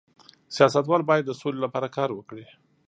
سیاستوال باید د سولې لپاره کار وکړي